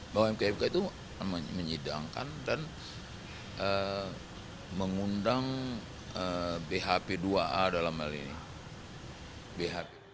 bahwa mpk itu menyidangkan dan mengundang bhp dua a dalam hal ini bhp